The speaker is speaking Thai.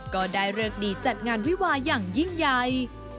ก็ได้เลิกดีจัดงานวิวาอย่างยิ่งใหญ่